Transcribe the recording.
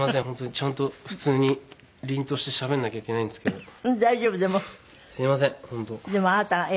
本当にちゃんと普通に凛としてしゃべらなきゃいけないんですけど。